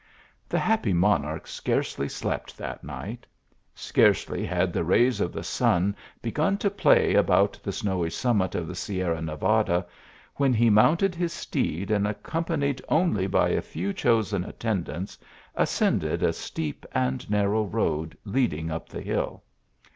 The happy monarch scarcely slept that night. Scarcely had the rays of the sun begun to play about the snowy summit of the Sierra Nevada, when he mounted his steed, and accom panied only by a few chosen attendants, ascended a steep and narrow road leading up the hill.